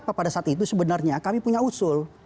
karena pada saat itu sebenarnya kami punya usul